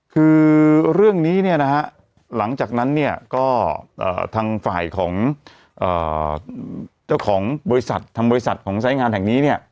คือเรื่องนี้เนี่ยนะฮะหลังจากนั้นเนี่ยก็ทางฝ่ายของเจ้าของบริษัททางบริษัทของสายงานแห่งนี้เนี่ย